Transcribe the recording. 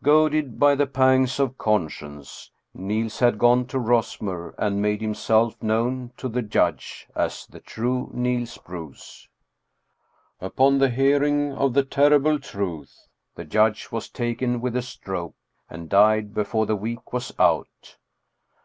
Goaded by the pangs of conscience, Niels had gone to Rosmer and made himself known to the judge as the true Niels Bruus. Upon the hearing of the terrible truth, the judge was taken with a stroke and died before the week was out.